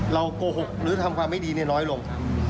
เรากโกหกหรือทำความไม่ดีเนี่ยน้อยลง